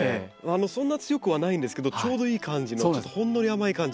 そんな強くはないんですけどちょうどいい感じのほんのり甘い感じ。